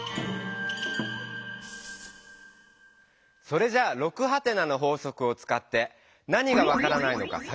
それじゃあ「６？」の法則をつかって何が分からないのかさぐってみよう。